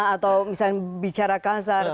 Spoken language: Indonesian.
atau misalnya bicara kasar